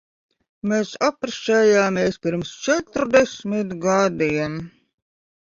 Mēs apprecējāmies pirms četrdesmit gadiem.